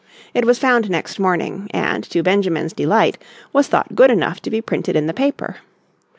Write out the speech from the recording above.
It was found next morning, and to Benjamin's delight was thought good enough to be printed in the paper.